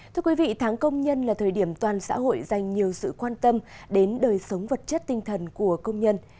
thưa quý vị tháng công nhân là thời điểm toàn xã hội dành nhiều sự quan tâm đến đời sống vật chất tinh thần của công nhân